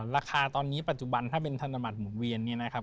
ราคาตอนนี้ปัจจุบันถ้าเป็นธนบัตรหมุนเวียนเนี่ยนะครับ